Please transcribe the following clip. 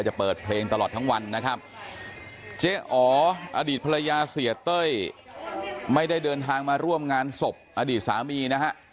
จะเปิดเพลงตลอดทั้งวันนะครับเจ๊อ๋ออดีตภรรยาเสียเต้ยไม่ได้เดินทางมาร่วมงานศพอดีตสามีนะฮะ